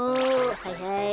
はいはい。